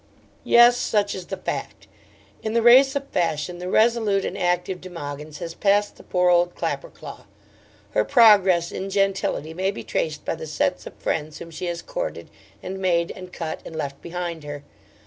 Yes, such is the fact. In the race of fashion the resolute and active De Mogyns has passed the poor old Clapperclaw. Her progress in gentility may be traced by the sets of friends whom she has courted, and made, and cut, and left behind her.